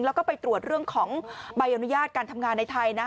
แล้วก็ไปตรวจเรื่องของใบอนุญาตการทำงานในไทยนะ